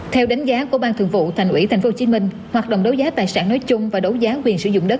theo đánh giá của ban thường vụ thành ủy tp hcm hoạt động đấu giá tài sản nói chung và đấu giá quyền sử dụng đất